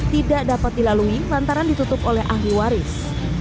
tidak dapat dilalui lantaran ditutup oleh ahli waris